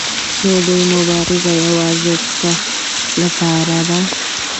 د دوی مبارزه یوازې د تخت لپاره ده.